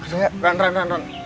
ran ran ran ran